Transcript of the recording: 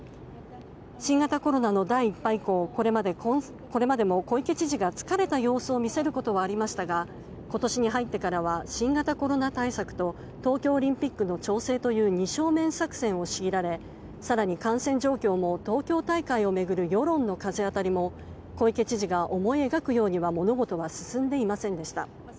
新型コロナの第１波以降これまでも小池知事が疲れた様子を見せることはありましたが今年に入ってからは新型コロナ対策と東京オリンピックの調整という二正面作戦を強いられ更に、感染状況も東京大会を巡る世論の風当たりも小池知事が思い描くようには物事が進んでいませんでした。